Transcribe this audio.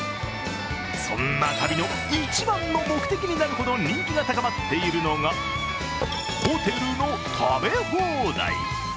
そんな旅の一番の目的になるほど人気が高まっているのがホテルの食べ放題。